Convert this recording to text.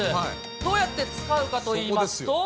どうやって使うかといいますと。